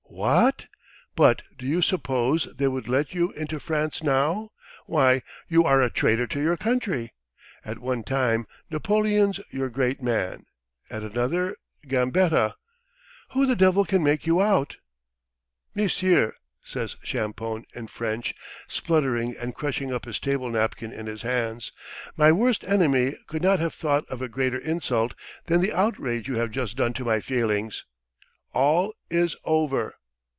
"Wha at? But do you suppose they would let you into France now? Why, you are a traitor to your country! At one time Napoleon's your great man, at another Gambetta. ... Who the devil can make you out?" "Monsieur," says Champoun in French, spluttering and crushing up his table napkin in his hands, "my worst enemy could not have thought of a greater insult than the outrage you have just done to my feelings! All is over!"